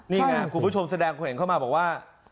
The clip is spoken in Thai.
นี่ไหมครับคุณผู้ชมพูดแสดงเข้ามาว่า